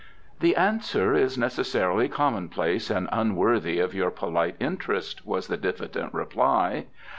"The answer is necessarily commonplace and unworthy of your polite interest," was the diffident reply.